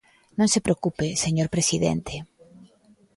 Non se preocupe, señor presidente.